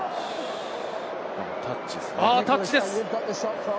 タッチですね。